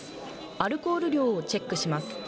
アルコール量をチェックします。